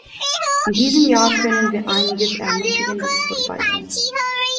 In diesem Jahr können wir einiges Ermutigendes vorweisen.